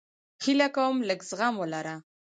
هیله کوم لږ زغم ولره